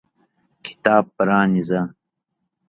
کتاب پرانیزه !